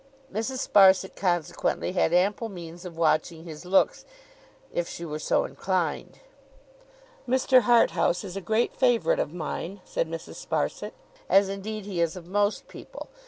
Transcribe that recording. Mrs. Sparsit consequently had ample means of watching his looks, if she were so inclined. 'Mr. Harthouse is a great favourite of mine,' said Mrs. Sparsit, 'as indeed he is of most people.